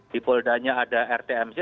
di poldanya ada rtmc